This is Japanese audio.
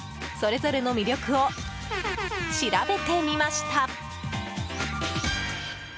それぞれの魅力を調べてみました。